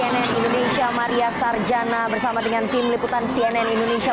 cnn indonesia maria sarjana bersama dengan tim liputan cnn indonesia